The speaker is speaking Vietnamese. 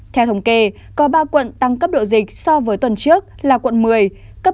theo thống kê có ba quận tăng cấp độ dịch so với tuần trước là quận một mươi cấp một lên cấp hai